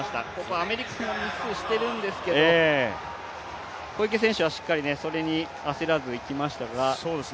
アメリカもミスしてるんですけど、小池選手はそこでしっかり焦らず行きましたが。